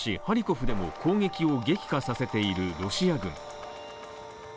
ハリコフでも攻撃を激化させているロシア軍。